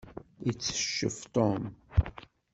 Itteccef Tom.